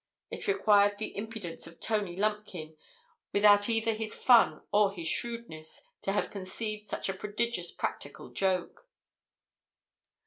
It required the impudence of Tony Lumpkin, without either his fun or his shrewdness, to have conceived such a prodigious practical joke.